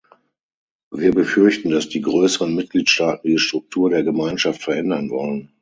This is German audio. Wir befürchten, dass die größeren Mitgliedstaaten die Struktur der Gemeinschaft verändern wollen.